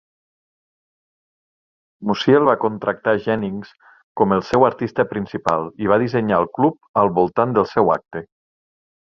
Musiel va contractar Jennings com el seu artista principal i va dissenyar el club al voltant del seu acte.